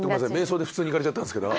瞑想で普通にいかれちゃったんですけど。